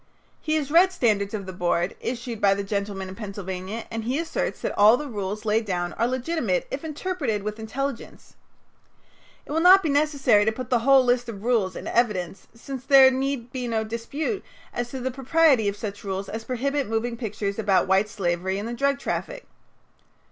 He has read "Standards of the Board," issued by the gentlemen in Pennsylvania, and he asserts that all the rules laid down are legitimate if interpreted with intelligence. It will not be necessary to put the whole list of rules in evidence since there need be no dispute as to the propriety of such rules as prohibit moving pictures about white slavery and the drug traffic.